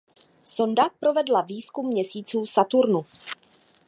Sonda provedla výzkum měsíců Saturnu.